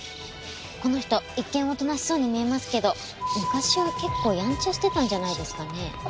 この人一見おとなしそうに見えますけど昔は結構やんちゃしてたんじゃないですかね？